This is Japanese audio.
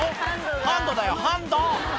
ハンドだよ、ハンド。